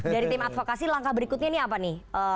dari tim advokasi langkah berikutnya ini apa nih